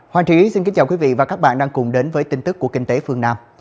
hoàng trí xin kính chào quý vị và các bạn đang cùng đến với tin tức của kinh tế phương nam